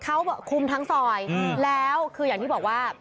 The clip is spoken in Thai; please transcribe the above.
เขาคุมทั้งซอยแล้วคืออย่างที่บอกว่า